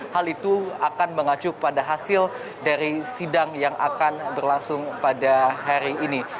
hal itu akan mengacu pada hasil dari sidang yang akan berlangsung pada hari ini